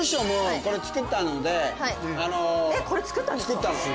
これ作ったんですか？